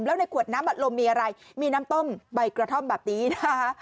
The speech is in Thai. แล้วในขวดน้ำอัดลมมีอะไรมีน้ำต้มใบกระท่อมแบบนี้นะคะ